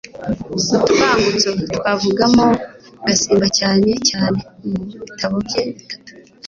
utubangutso) twavugamo f-x.gasimbacyane cyane mu bitabo bye bitatu